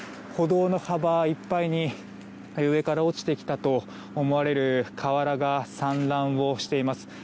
歩道の幅いっぱいに上から落ちてきたと思われる瓦が散乱をしています。